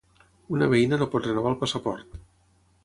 Una veïna no pot renovar el passaport.